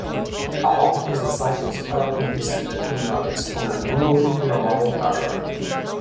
Among his disciples are Odissi Veena exponent Guru Ramarao Patra.